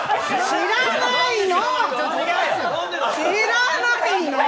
知らないの！